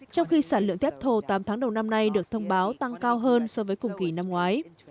trong khi sản lượng thép thô tám tháng đầu năm nay được thông báo tăng cao hơn so với cùng kỳ năm ngoái